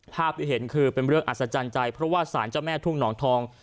ภาพที่เห็นคือเป็นเรื่องอัศจรรย์ใจเพราะว่าสารเจ้าแม่ทุ่งหนองทอง